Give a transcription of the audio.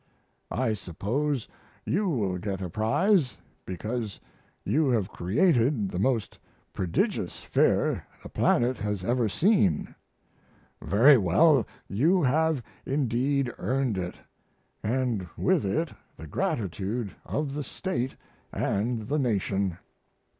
I suppose you will get a prize, because you have created the most prodigious Fair the planet has ever seen. Very well, you have indeed earned it, and with it the gratitude of the State and the nation.